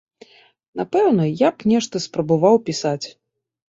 Напэўна, я б нешта спрабаваў пісаць.